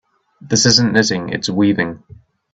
This isn't knitting, its weaving.